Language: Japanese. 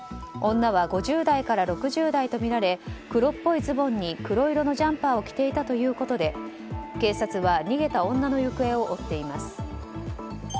女は５０代から６０代とみられ黒っぽいズボンに黒色のジャンパーを着ていたということで警察は逃げた女の行方を追っています。